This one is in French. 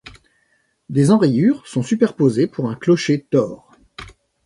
Des enrayures sont superposées pour un clocher tors.